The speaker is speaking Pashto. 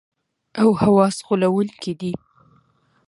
او حواس غولونکي دي.